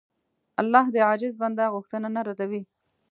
الله د عاجز بنده غوښتنه نه ردوي.